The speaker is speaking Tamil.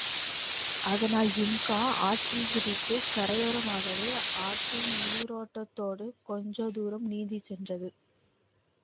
அதனால் ஜின்கா ஆற்றில் குதித்துக் கரையோரமாகவே ஆற்றின் நீரோட்டத்தோடு கொஞ்ச தூரம் நீந்திச் சென்றது.